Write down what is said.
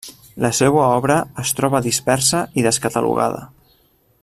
La seua obra es troba dispersa i descatalogada.